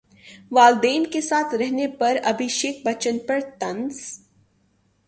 والدین کے ساتھ رہنے پر ابھیشیک بچن پر طنز